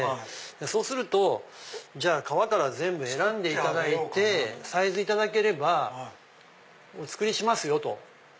そうするとじゃあ革から全部選んでいただいてサイズ頂ければお作りしますよと。